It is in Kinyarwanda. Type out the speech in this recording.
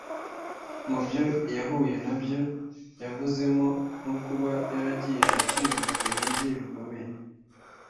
Mu byo yahuye nabyo yavuzemo nko kuba yaragiye acibwa intege bikomeye